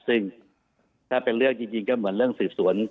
ซึ่งถ้าเป็นเรื่องจริงก็เหมือนเรื่องสืบสวน